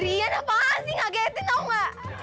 rian apaan sih ngagetin tau gak